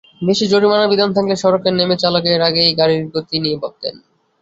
বেশি জরিমানার বিধান থাকলে সড়কে নেমেই চালকেরা আগে গাড়ির গতি নিয়ে ভাবতেন।